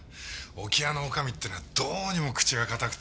置屋のおかみってのはどうにも口が堅くて。